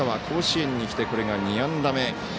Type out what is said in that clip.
甲子園に来てこれが２安打目。